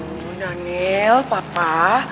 oh daniel papa